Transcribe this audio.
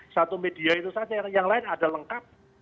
satu media itu saja yang lain ada lengkap